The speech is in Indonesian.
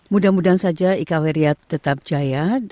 mudah mudahan saja ika weriyat tetap jaya